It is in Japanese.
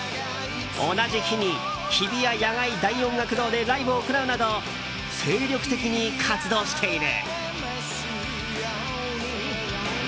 同じ日に日比谷野外大音楽堂でライブを行うなど精力的に活動している。